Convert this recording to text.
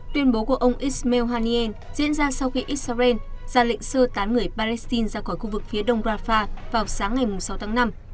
tuyên bố của ông ism hanien diễn ra sau khi israel ra lệnh sơ tán người palestine ra khỏi khu vực phía đông rafah vào sáng ngày sáu tháng năm